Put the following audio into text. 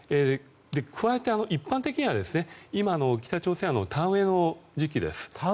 加えて一般的には今北朝鮮は田植えの時期です。